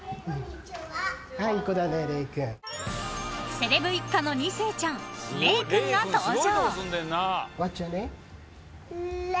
［セレブ一家の２世ちゃんれい君が登場］